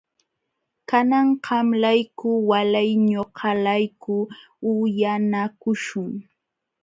Kanan qamlayku walay ñuqalayku uyanakuśhun.